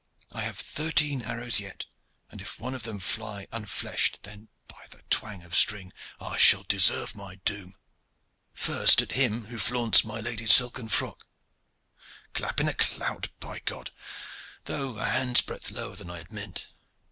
I have thirteen arrows yet, and if one of them fly unfleshed, then, by the twang of string! I shall deserve my doom. First at him who flaunts with my lady's silken frock. Clap in the clout, by God! though a hand's breadth lower than I had meant.